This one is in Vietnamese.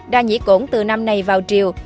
đa nhĩ cổn từ năm này vào triều